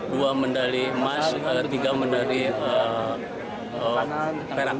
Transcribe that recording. dua mendali emas tiga mendali perak